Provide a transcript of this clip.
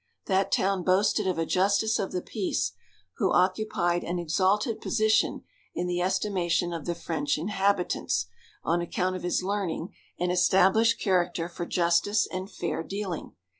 That town boasted of a justice of the peace, who occupied an exalted position in the estimation of the French inhabitants, on account of his learning and established character for justice and fair dealing.